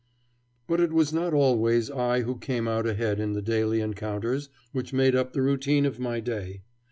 But it was not always I who came out ahead in the daily encounters which made up the routine of my day.